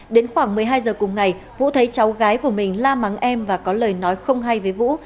đến khoảng một mươi hai giờ cùng ngày vũ thấy cháu gái của mình la mắng em và có lời nói không hay với vũ